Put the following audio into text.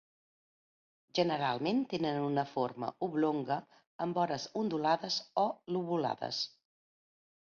Generalment tenen una forma oblonga amb vores ondulades o lobulades.